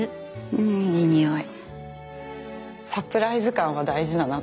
うんいい匂い。